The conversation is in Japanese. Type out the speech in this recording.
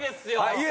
いえ